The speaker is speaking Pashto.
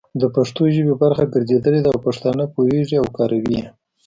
د پښتو ژبې برخه ګرځېدلي دي او پښتانه په پوهيږي او کاروي يې،